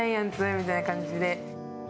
みたいな感じで。